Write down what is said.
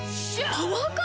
パワーカーブ⁉